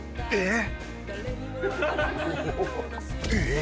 え！